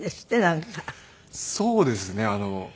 そうですね。